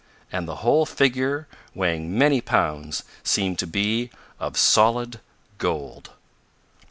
And the whole figure, weighing many pounds, seemed to be of SOLID GOLD!